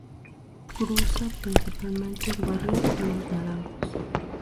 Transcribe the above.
Cruza principalmente el barrio Los Naranjos.